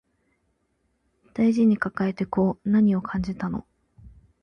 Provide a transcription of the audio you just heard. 大事に抱えてこう何を感じたの